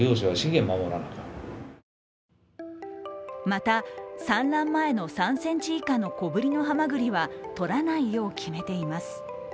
また、産卵前の３ｃｍ以下の小ぶりのはまぐりは、取らないよう、決めています。